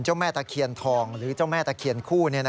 แม่ตะเคียนทองหรือเจ้าแม่ตะเคียนคู่